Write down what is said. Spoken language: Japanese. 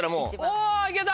おぉいけた！